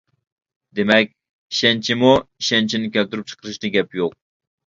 دېمەك، ئىشەنچمۇ ئىشەنچنى كەلتۈرۈپ چىقىرىشىدا گەپ يوق.